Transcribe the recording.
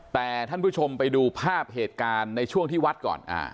แต่ท่านผู้ชมไปดูภาพเหตุการณ์ในช่วงที่วัดก่อน